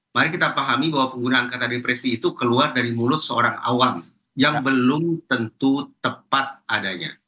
mari kita pahami bahwa penggunaan kata depresi itu keluar dari mulut seorang awam yang belum tentu tepat adanya